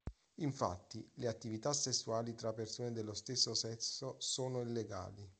Infatti, le attività sessuali tra persone dello stesso sesso sono illegali.